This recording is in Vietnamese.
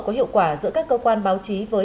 có hiệu quả giữa các cơ quan báo chí với